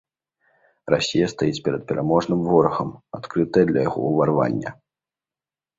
Расія стаіць перад пераможным ворагам, адкрытая для яго ўварвання.